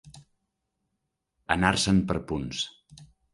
Anar-se'n per punts.